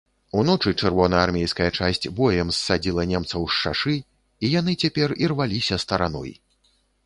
Уночы чырвонаармейская часць боем ссадзіла немцаў з шашы, і яны цяпер ірваліся стараной.